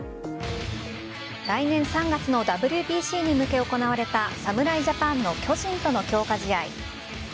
来年３月のＷＢＣに向け行われた侍ジャパンの巨人との強化試合。